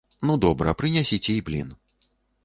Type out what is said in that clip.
Ну добра, прынясіце і блін.